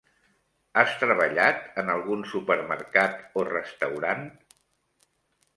Has treballat en algun supermercat o restaurant?